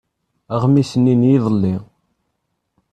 Aɣmis-nni n yiḍelli.